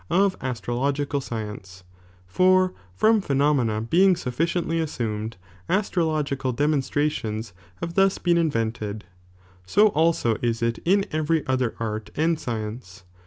„ of astrologies science, for from ptienomena being t» "ot kI »ulficieDlly assumed, astrological demonstrations Imve thus been invented, so ulso is it in every other art and mence.